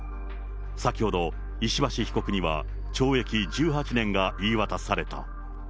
先ほど、石橋被告には懲役１８年が言い渡された。